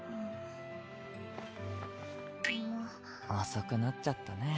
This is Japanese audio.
遅くなっちゃったね。